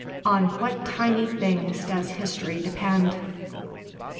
On what tiny things does History depend!